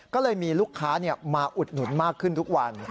ก็เลยมีลูกค้ามาอุดหนุนมากขึ้นทุกวัน